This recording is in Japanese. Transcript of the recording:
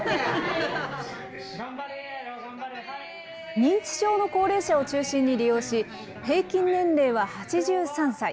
認知症の高齢者を中心に利用し、平均年齢は８３歳。